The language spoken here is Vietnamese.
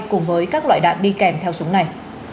cùng với các loại đạn đi kèm theo súng này